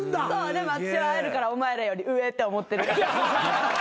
でも私は会えるからお前らより上って思ってる。